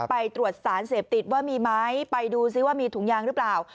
ไปตรวจสารเสพติดว่ามีไหมไปดูซิว่ามีถุงยางหรือเปล่า